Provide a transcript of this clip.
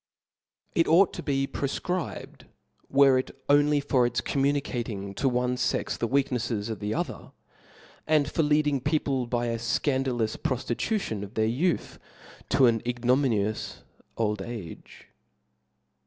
It ought to be pro fcribed were it only for its communicating to one fex the weaknefles of the other, and for leading people by a fcandalous proftitution of their youth, to an ignominious old age.